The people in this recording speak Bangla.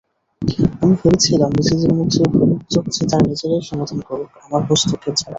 আমি ভেবেছিলাম, নিজেদের মধ্যে ভুল-বোঝাবুঝি তারা নিজেরাই সমাধান করুক, আমার হস্তক্ষেপ ছাড়া।